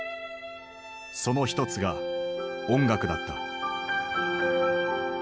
そのひとつが音楽だった。